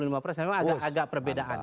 memang agak perbedaan